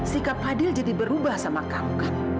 sikap fadil jadi berubah sama kamu